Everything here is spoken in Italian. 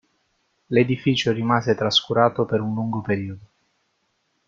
L'edificio rimase trascurato per un lungo periodo.